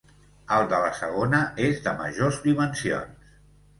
El de la segona és de majors dimensions.